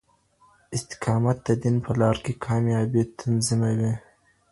استقامت د دين په لار کې کامیابي تضمینوي.